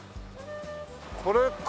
これか？